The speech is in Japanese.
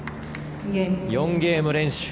４ゲーム連取。